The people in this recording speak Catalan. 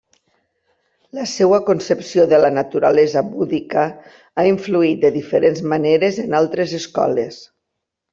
La seva concepció de la naturalesa búdica ha influït de diferents maneres en altres escoles.